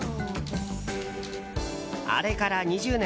あれから２０年。